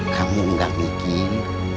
kamu gak mikir